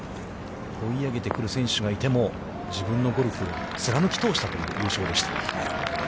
追い上げてくる選手がいても、自分のゴルフを貫き通したという優勝でした。